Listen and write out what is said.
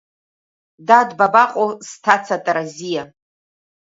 Дад, бабаҟоу сҭаца Таразиа?